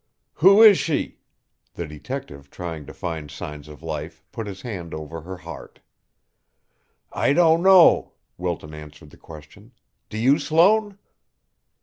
"Who is she?" The detective, trying to find signs of life, put his hand over her heart. "I don't know," Wilton answered the question. "Do you, Sloane?"